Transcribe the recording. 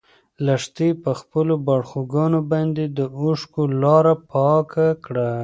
لښتې په خپلو باړخوګانو باندې د اوښکو لاره پاکه کړه.